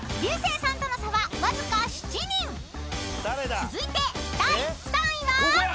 ［続いて第３位は］